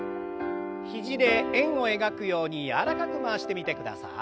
肘で円を描くように柔らかく回してみてください。